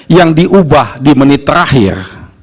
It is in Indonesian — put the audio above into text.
yang diubah di menit terakhir